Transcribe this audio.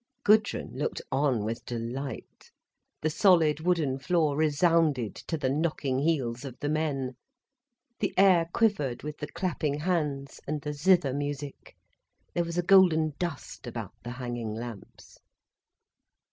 Gudrun looked on with delight. The solid wooden floor resounded to the knocking heels of the men, the air quivered with the clapping hands and the zither music, there was a golden dust about the hanging lamps.